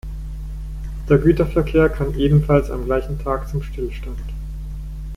Der Güterverkehr kam ebenfalls am gleichen Tag zum Stillstand.